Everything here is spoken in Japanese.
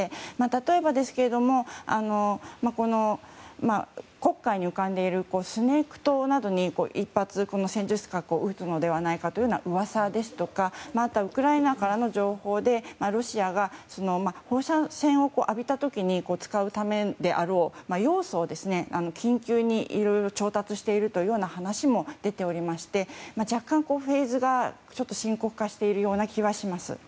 例えば黒海に浮かんでいるスネーク島などに１発、戦術核を撃つのではないかという噂ですとかあとはウクライナからの情報でロシアが放射線を浴びた時に使うためであろうヨウ素を緊急に調達しているという話も出ておりまして、若干フェーズが深刻化している気はします。